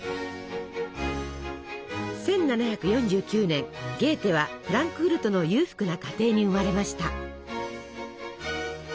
１７４９年ゲーテはフランクフルトの裕福な家庭に生まれました。